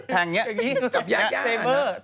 แผ่งอย่างนี้